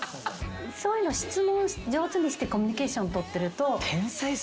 そういうの質問上手にしてコミュニケーション取ってると。